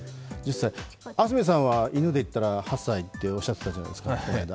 安住さんは、犬で言ったら８歳って言ったじゃないですか、この間。